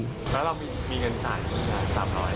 แล้วเรามีเงินจ่าย๓๐๐บาท